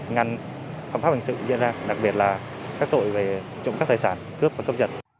ngăn pháp hành sự diễn ra đặc biệt là các tội về trộm cắp tài sản cướp và cấp giật